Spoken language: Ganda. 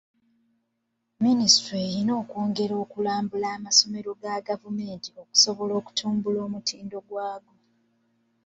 Minisitule erina okwongera ku kulambula amasomero ga gavumenti okusobola okutumbula omutindo gwago.